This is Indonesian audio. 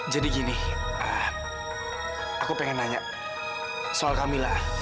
jadi gini aku pengen nanya soal kamila